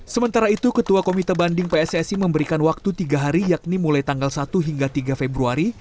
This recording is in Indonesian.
sementara itu ketua komite banding pssi memberikan waktu tiga hari yakni mulai tanggal satu hingga tiga februari